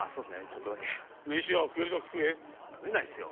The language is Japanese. ちょっとだけ飯は食えるだけ食え食えないっすよ